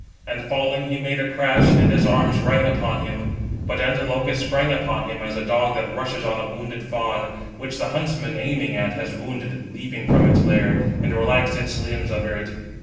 And falling, he made a crash, and his arms rang upon him. But Antilochus sprang upon him, as a dog that rushes on a wounded fawn, which the huntsman aiming at, has wounded, leaping from its lair, and relaxed its limbs under it.